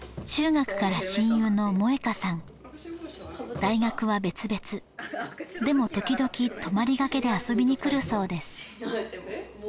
中学から親友の百英花さん大学は別々でも時々泊まりがけで遊びに来るそうです